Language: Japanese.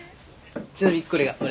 ちなみにこれが俺。